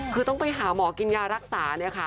คือต้องไปหาหมอกินยารักษาเนี่ยค่ะ